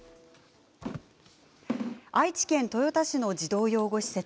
愛知県豊田市の児童養護施設。